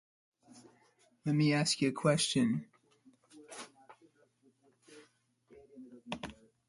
Beeton was a stop on the Hamilton and North-Western Railway.